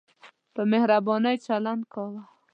په مهربانۍ چلند کاوه.